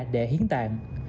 để hiến tạng